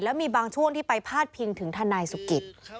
แล้วมีบางช่วงที่ไปพาดพิงถึงทนายสุกิต